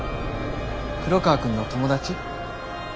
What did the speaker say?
黒川くんの友達？